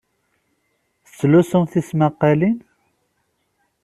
Tettlusum tismaqqalin?